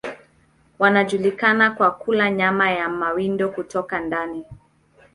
Wanajulikana kwa kula nyama ya mawindo kutoka ndani.